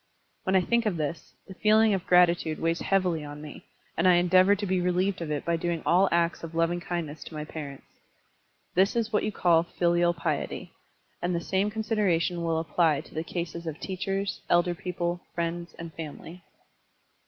When I think of this, the feeling of gratitude weighs heavily on me, and I endeavor to be relieved of it by doing all acts of loving kindness to my parents. This is what you call filial piety, and the same consideration will apply Digitized by Google l8o SERMONS OF A BUDDHIST ABBOT to the cases of teachers, elder people, friends, and family.